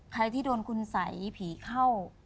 ใครที่โดนคุณสัยผีเข้า